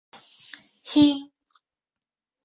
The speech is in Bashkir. Һин